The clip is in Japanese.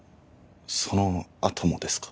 そのあともですか？